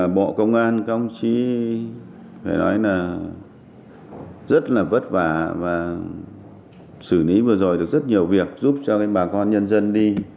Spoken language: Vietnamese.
bộ công an các ông chí phải nói là rất là vất vả và xử lý vừa rồi được rất nhiều việc giúp cho bà con nhân dân đi